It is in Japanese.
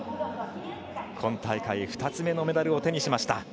今大会２つ目のメダルを手にしました。